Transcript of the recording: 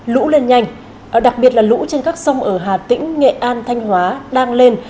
lũ lên nhanh đặc biệt là lũ trên các sông ở hà tĩnh nghệ an thanh hóa đang lên